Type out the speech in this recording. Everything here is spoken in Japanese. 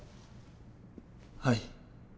はい。